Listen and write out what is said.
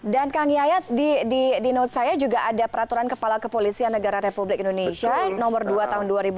dan kang yayat di note saya juga ada peraturan kepala kepolisian negara republik indonesia nomor dua tahun dua